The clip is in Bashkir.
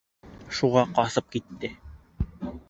Шуға ҡасып китте.